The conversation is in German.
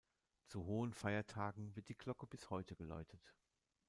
Zu hohen Feiertagen wird die Glocke bis heute geläutet.